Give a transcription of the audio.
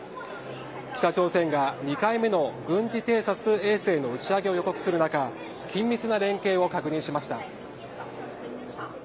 北朝鮮が２回目の軍事偵察衛星の打ち上げを予告する中緊密な連携を確認しました。